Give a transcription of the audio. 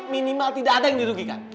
minimal tidak ada yang dirugikan